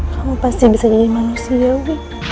kamu pasti bisa jadi manusia wih